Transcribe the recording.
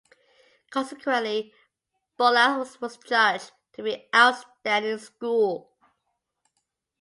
Consequently, Borlase was judged to be an 'Outstanding' school.